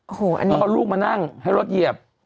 โอ้โหอันนี้พอลูกมานั่งให้รถเหยียบ